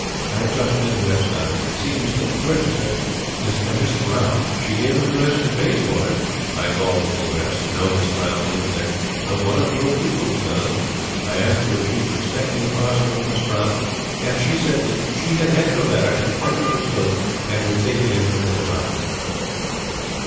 'I have just been to Epstein's. It seems that the purchaser is a Miss Brown. She gave an address in Bayswater. I called at the address. No Miss Brown lives there, but one of your pupils does. I asked her if she was expecting a parcel for Miss Brown, and she said that she had had your letter and quite understood and would take it in when it arrived.'